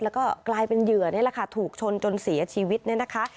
แล้วก็กลายเป็นเหยื่อนี่แหละค่ะถูกชนจนเสียชีวิตเนี่ยนะคะ